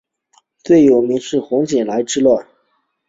最有名是洪景来之乱。